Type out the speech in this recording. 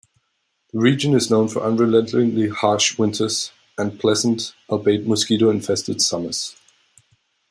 The region is known for unrelentingly harsh winters, and pleasant, albeit mosquito-infested summers.